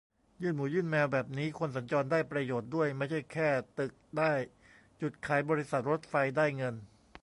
ยื่นหมูยื่นแมวแบบนี้คนสัญจรได้ประโยชน์ด้วย ไม่ใช่แค่ตึกได้จุดขาย บริษัทรถไฟได้เงิน